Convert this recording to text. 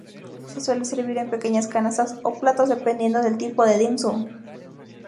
Se suele servir en pequeñas canastas o platos, dependiendo del tipo de dim sum.